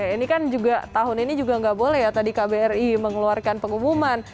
ini kan juga tahun ini juga nggak boleh ya tadi kbri mengeluarkan pengumuman